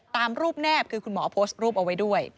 ตามรูปแนบคือคุณหมอโพสต์รูปเอาไว้ด้วย